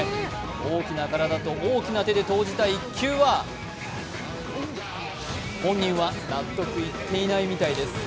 大きな体と大きな手で投じた一球は本人は納得いっていないみたいです。